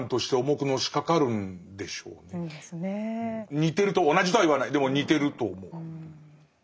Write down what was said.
似てると同じとは言わないでも似てると思う。